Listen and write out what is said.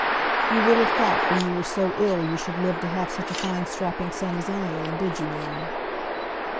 "You little thought when you were so ill you should live to have such a fine strapping son as I am, did you now?"